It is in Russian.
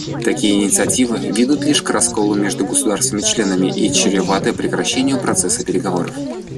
Такие инициативы ведут лишь к расколу между государствами-членами и чреваты прекращением процесса переговоров.